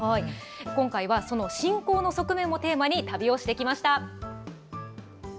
今回はその信仰の側面もテーマに旅をしてきました。